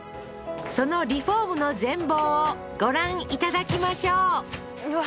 そのリフォームの全貌をご覧いただきましょううわ